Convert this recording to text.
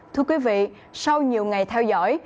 thưa quý vị sau nhiều ngày theo dõi